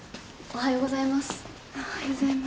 おはようございます。